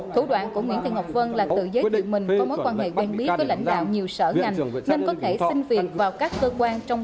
thủ đoạn của nguyễn thị ngọc vân là tự giới thiệu mình có mối quan hệ quen biết với lãnh đạo nhiều sở ngành